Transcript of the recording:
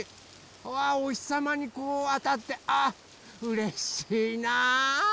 うわおひさまにこうあたってあうれしいな。